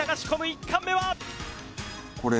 １貫目は？